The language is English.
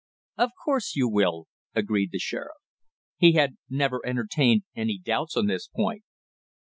"Of course you will," agreed the sheriff. He had never entertained any doubts on this point.